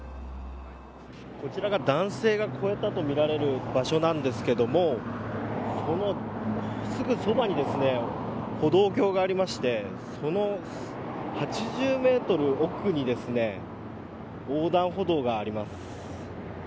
こちらが、男性が越えたとみられる場所なんですけれどもそのすぐそばに歩道橋がありましてその８０メートル奥に横断歩道があります。